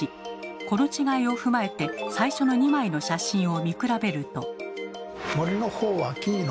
この違いを踏まえて最初の２枚の写真を見比べると。